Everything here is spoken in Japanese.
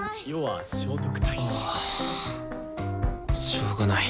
しょうがない